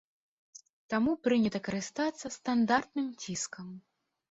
Таму прынята карыстацца стандартным ціскам.